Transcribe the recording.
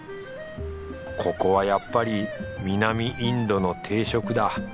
ここはやっぱり南インドの定食だ。